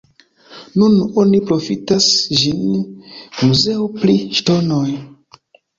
Nun oni profitas ĝin muzeo pri ŝtonoj.